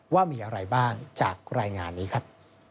ว่ามีอะไรบ้างจากรายงานนี้ครับ